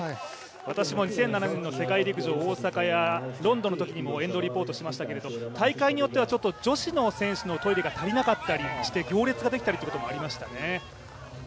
私も２００７年の世界陸上のときに沿道でリポートしていましたけど大会によっては女子の選手のトイレが足りなかったりして、行列ができたりしたこともありましたね。